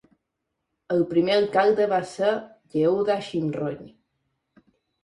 El primer alcalde va ser Yehuda Shimroni.